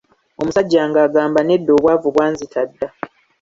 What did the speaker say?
Omusajja ng’agamba nedda obwavu bwanzita dda.